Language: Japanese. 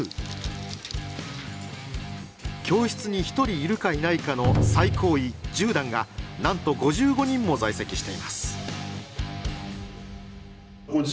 教室に一人いるかいないかの最高位十段がなんと５５人も在籍しています。